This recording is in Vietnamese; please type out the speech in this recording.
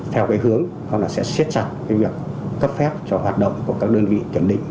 theo hướng sẽ xếp chặt việc cấp phép cho hoạt động của các đơn vị kiểm định